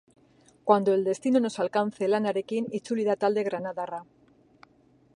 Cuando el destino nos alcance lanarekin itzuli da talde granadarra.